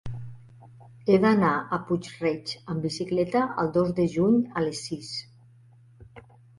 He d'anar a Puig-reig amb bicicleta el dos de juny a les sis.